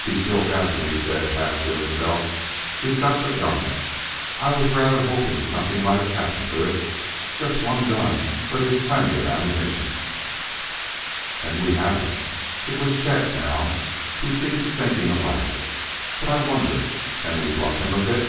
"He still has it," he said, half to himself: "he's got the gun. I was rather hoping something might have happened to it. Just one gun; but he has plenty of ammunition " "And we haven't " It was Chet, now, who seemed thinking aloud. "But, I wonder can we bluff him a bit?"